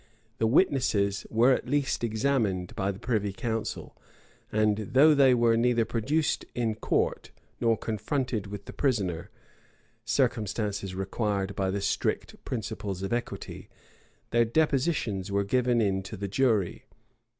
The witnesses were at least examined by the privy council; and though they were neither produced in court, nor confronted with the prisoner, (circumstances required by the strict principles of equity,) their depositions were given in to the jury.